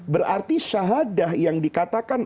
berarti syahadah yang dikatakan